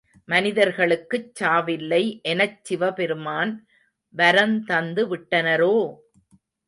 மனிதர்களுக்குச் சாவில்லை எனச் சிவபெருமான் வரந்தந்து விட்டனரோ!